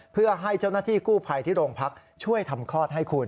เพื่อให้เจ้าหน้าที่กู้ภัยที่โรงพักช่วยทำคลอดให้คุณ